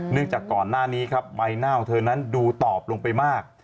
เนื่องจากก่อนหน้านี้ไว้น่าวเธอนั้นดูตอบลงไปมาก